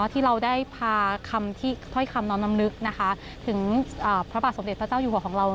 ที่เราได้พาถ้อยคำน้อมนำนึกถึงพระบาทสมเด็จพระเจ้าอยู่หัวของเรา